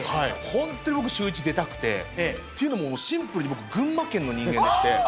本当に僕、シューイチ出たくて、というのもシンプルに僕、群馬県の人間でして。